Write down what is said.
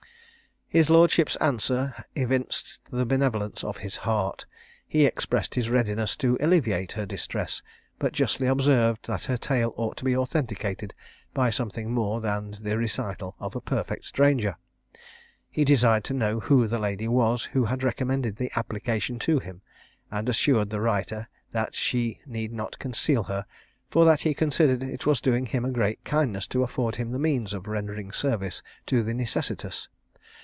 His lordship's answer evinced the benevolence of his heart. He expressed his readiness to alleviate her distress, but justly observed that her tale ought to be authenticated by something more than the recital of a perfect stranger. He desired to know who the lady was who had recommended the application to him, and assured the writer she need not conceal her, for that he considered it was doing him a great kindness to afford him the means of rendering service to the necessitous.